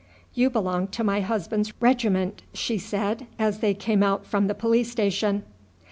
"You belong to my husband's regiment," she said as they came out from the police station.